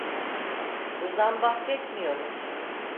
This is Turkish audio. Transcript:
Bundan bahsetmiyorum.